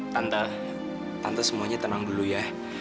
tante semuanya tenang dulu ya